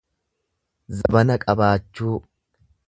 zabana qabaachuu